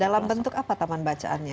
dan dalam bentuk apa taman bacaannya